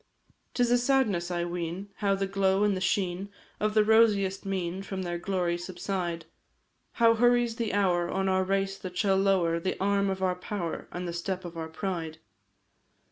'Tis a sadness I ween, how the glow and the sheen Of the rosiest mien from their glory subside; How hurries the hour on our race, that shall lower The arm of our power, and the step of our pride.